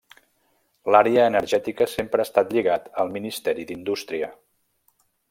L'àrea energètica sempre ha estat lligat al Ministeri d'Indústria.